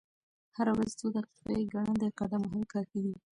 هره ورځ څو دقیقې ګړندی قدم وهل کافي دي.